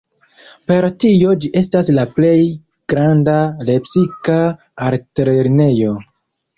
Per tio ĝi estas la plej granda lepsika altlernejo.